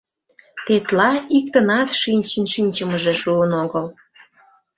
Тетла иктынат шинчын шинчымыже шуын огыл.